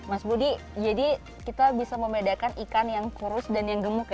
mas budi jadi kita bisa membedakan ikan yang kurus dan yang gemuk ya